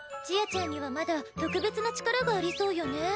ちあちゃんにはまだ特別な力がありそうよね。